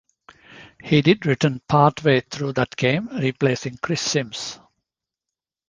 He did return partway through that game, replacing Chris Simms.